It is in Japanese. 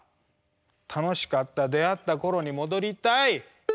楽しかった出会った頃に戻りたい。